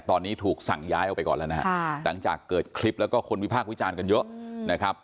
ตอนนี้ถูกสั่งย้ายออกไปก่อนแล้วนะฮะหลังจากเกิดคลิปแล้วก็คนวิพากษ์วิจารณ์กันเยอะนะครับ